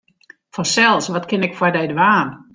Fansels, wat kin ik foar dy dwaan?